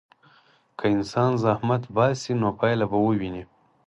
که انسان زحمت وباسي، نو پایله به وویني.